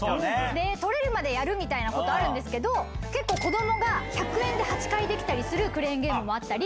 取れるまでやることあるんですけど１００円で８回できたりするクレーンゲームもあったり。